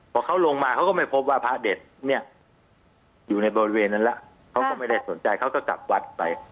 พอเขาลงมาเขาก็ไม่พบว่าพระเด็ดเนี่ยอยู่ในบริเวณนั้นแล้วเขาก็ไม่ได้สนใจเขาก็กลับวัดไป